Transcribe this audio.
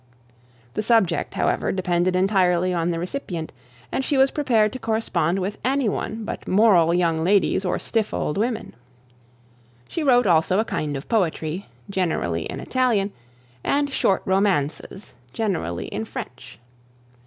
The subject, however, depended entirely on the recipient, and she was prepared to correspond with any one, but moral young ladies or stiff old women. She wrote also a kind of poetry, generally in Italian, and short romances, generally in French.